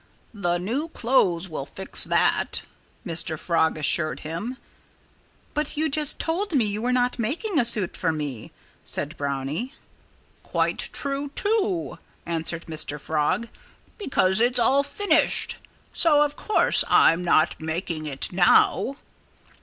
"The new clothes will fix that," Mr. Frog assured him. "But you just told me you were not making a suit for me," said Brownie. "Quite true, too!" answered Mr. Frog "because it's all finished. So, of course, I'm not making it now."